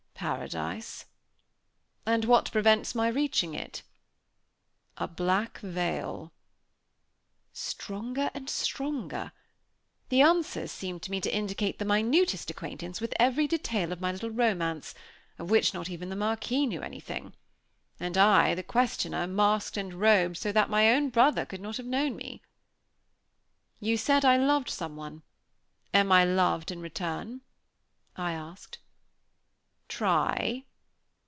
"Paradise." "And what prevents my reaching it?" "A black veil." Stronger and stronger! The answers seemed to me to indicate the minutest acquaintance with every detail of my little romance, of which not even the Marquis knew anything! And I, the questioner, masked and robed so that my own brother could not have known me! "You said I loved someone. Am I loved in return?" I asked. "Try."